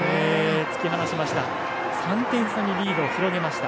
突き放しました。